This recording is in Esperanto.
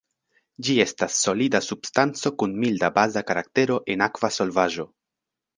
Ĝi estas solida substanco kun milda baza karaktero en akva solvaĵo.